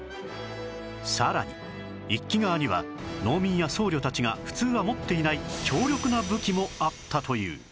さらに一揆側には農民や僧侶たちが普通は持っていない強力な武器もあったという